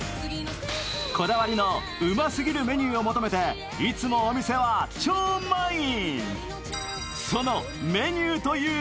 こだわりのうますぎるメニューを求めていつもお店は超満員。